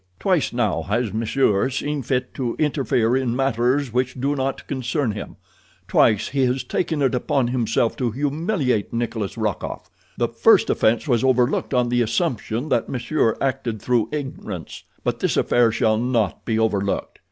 "Twice now has monsieur seen fit to interfere in matters which do not concern him. Twice he has taken it upon himself to humiliate Nikolas Rokoff. The first offense was overlooked on the assumption that monsieur acted through ignorance, but this affair shall not be overlooked.